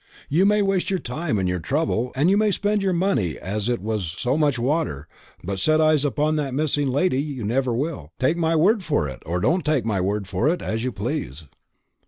You may waste your time and your trouble, and you may spend your money as it was so much water, but set eyes upon that missing lady you never will; take my word for it, or don't take my word for it, as you please."